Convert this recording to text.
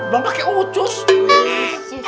belum pakai uut